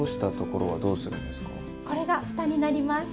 これがふたになります。